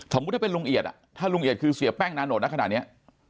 ถ้าเป็นลุงเอียดถ้าลุงเอียดคือเสียแป้งนานดนะขนาดนี้